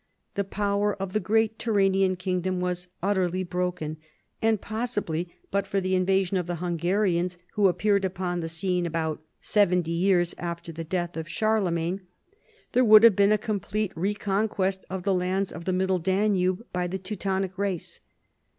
The power of the great Turanian kingdom was utterly broken, and possibly, but for the invasion of the Hungarians, who appeared upon the scene about seventy years after the death of Charlemagne, there would have been a complete reconquest of the lands of the Middle Danube by the Teutonic race.